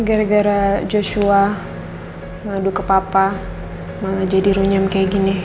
gara gara joshua ngaduk ke papa malah jadi runyam kayak gini